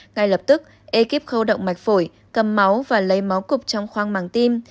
ngay lập tức ekip khâu động mạch phổi cầm máu và lấy máu cục trong khoang màng tim